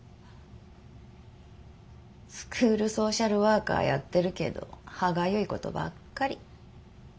スクールソーシャルワーカーやってるけど歯がゆいことばっかり。